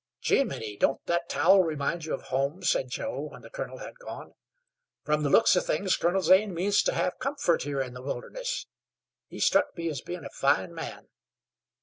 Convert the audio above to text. "Geminy! Don't that towel remind you of home?" said Joe, when the colonel had gone. "From the looks of things, Colonel Zane means to have comfort here in the wilderness. He struck me as being a fine man."